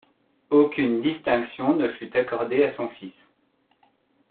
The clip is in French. Aucune distinction ne fut accordée à son fils.